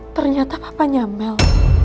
ternyata papanya mel